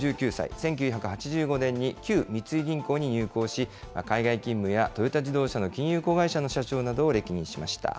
１９８５年に旧三井銀行に入行し、海外勤務や、トヨタ自動車の金融子会社の社長などを歴任しました。